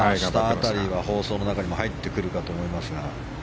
明日辺りは放送の中にも入ってくるかと思いますが。